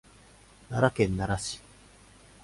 奈良県奈良市